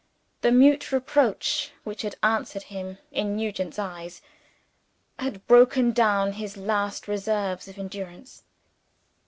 The mute reproach which had answered him, in Nugent's eyes, had broken down his last reserves of endurance.